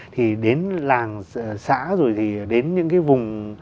thì đến làng xã rồi thì đến những cái vùng